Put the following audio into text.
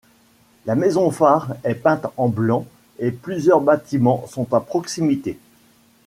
La maison-phare est peinte en blanc et plusieurs bâtiments sont à proximité.